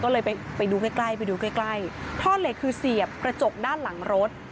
ก็เลยไปดูใกล้ใกล้ไปดูใกล้ใกล้ท่อเหล็กคือเสียบกระจกด้านหลังรถ